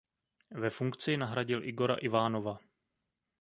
Ve funkci nahradil Igora Ivanova.